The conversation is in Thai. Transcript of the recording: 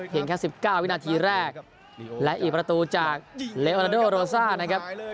แค่๑๙วินาทีแรกและอีกประตูจากเลวาลาโดโรซ่านะครับ